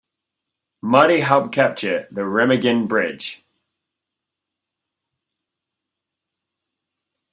Marty helped capture the Remagen Bridge.